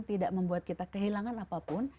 tidak membuat kita kehilangan apapun